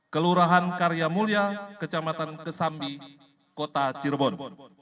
kelurahan karya mulia kecamatan kesambi kota cirebon